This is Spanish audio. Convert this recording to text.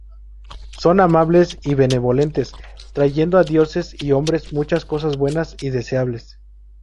Son amables y benevolentes, trayendo a dioses y hombres muchas cosas buenas y deseables.